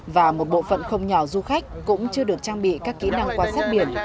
và một bộ phận không nhỏ du khách cũng chưa được trang bị các kỹ năng quan sát biển